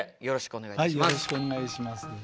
よろしくお願いします。